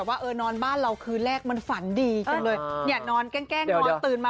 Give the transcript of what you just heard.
ว่าเออนอนบ้านเราคืนแรกมันฝันดีจังเลยเนี่ยนอนแกล้งนอนตื่นมา